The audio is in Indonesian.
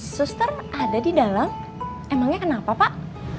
suster ada di dalam emangnya kenapa pak